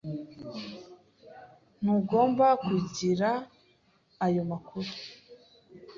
Ntugomba kugira ayo makuru.